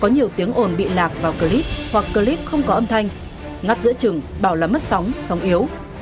đừng bị lạc vào clip hoặc clip không có âm thanh ngắt giữa chừng bảo là mất sóng sóng yếu